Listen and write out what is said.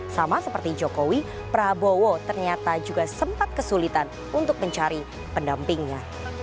sama seperti jokowi prabowo ternyata juga sempat kesulitan untuk mencari pendampingnya